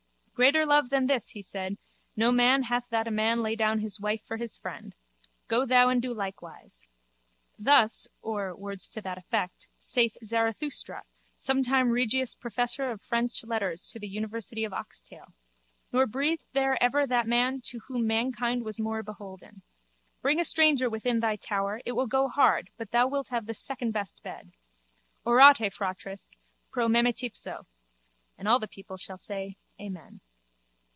Greater love than this, he said, no man hath that a man lay down his wife for his friend. Go thou and do likewise. Thus, or words to that effect, saith Zarathustra, sometime regius professor of French letters to the university of Oxtail nor breathed there ever that man to whom mankind was more beholden. Bring a stranger within thy tower it will go hard but thou wilt have the secondbest bed. Orate, fratres, pro memetipso. And all the people shall say, Amen.